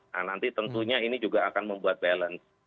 nah nanti tentunya ini juga akan membuat balance